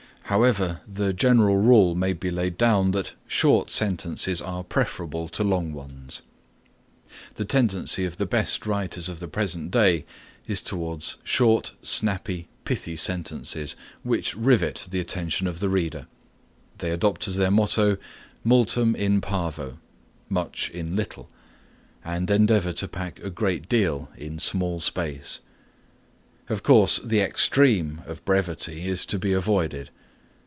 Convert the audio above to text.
However the general rule may be laid down that short sentences are preferable to long ones. The tendency of the best writers of the present day is towards short, snappy, pithy sentences which rivet the attention of the reader. They adopt as their motto multum in parvo (much in little) and endeavor to pack a great deal in small space. Of course the extreme of brevity is to be avoided.